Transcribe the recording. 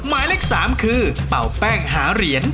หมายเลข๓คือเป่าแป้งหาเหรียญ